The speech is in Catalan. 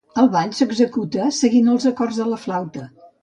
El ball s'executa seguint els acords de la flauta.